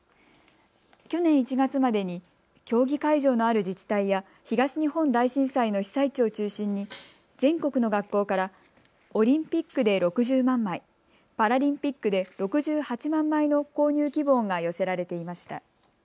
去年１月までに競技会場のある自治体や東日本大震災の被災地を中心に全国の学校からオリンピックで６０万枚、パラリンピックで６８万枚の購入希望が寄せられていました。